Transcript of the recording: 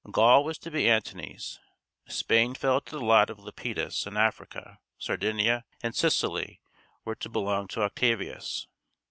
Gaul was to be Antony's; Spain fell to the lot of Lepidus, and Africa, Sardinia, and Sicily were to belong to Octavius.